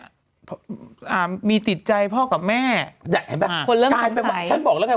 อ่ามีติดใจพ่อกับแม่อ่าคอยเริ่มใสฉันบอกแล้วไง